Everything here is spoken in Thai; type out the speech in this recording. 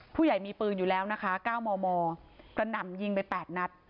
ผู้ใหญ่มีปืนอยู่แล้วนะคะ๙มมกระหน่ำยิงไป๘นัด